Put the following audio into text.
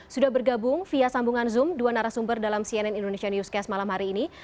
sudah bergabung via sambungan zoom dua narasumber dalam cnn indonesia newscast malam hari ini